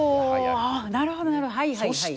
ああなるほどなるほどはいはいはい。